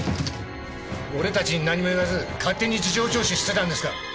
俺たちになんにも言わず勝手に事情聴取してたんですか！